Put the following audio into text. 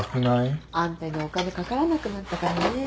あんたにお金かからなくなったからね。